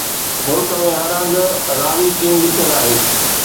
ملڪ ۾ هر هنڌ راوي چين لکيل آهي.